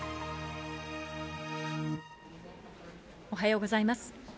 おはようございます。